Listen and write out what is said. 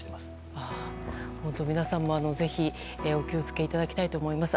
本当皆さんもぜひお気を付けいただきたいと思います。